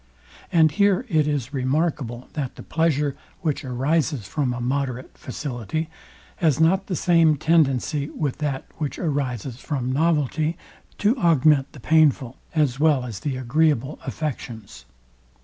And here it is remarkable that the pleasure, which arises from a moderate facility, has not the same tendency with that which arises from novelty, to augment the painful, as well as the agreeable affections.